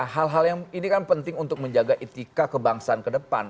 hal hal yang ini kan penting untuk menjaga etika kebangsaan ke depan